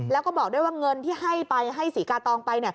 แล้วก็บอกด้วยว่าเงินที่ให้ไปให้ศรีกาตองไป